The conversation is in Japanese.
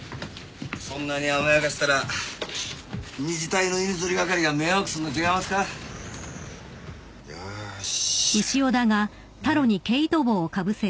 そんなに甘やかしたら２次隊の犬ぞり係が迷惑するの違いますかよーしうん？